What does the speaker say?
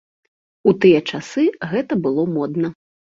У тыя часы гэта было модна.